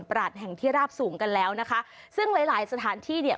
ปราศแห่งที่ราบสูงกันแล้วนะคะซึ่งหลายหลายสถานที่เนี่ย